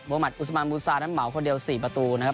มัติอุสมันบูซานั้นเหมาคนเดียว๔ประตูนะครับ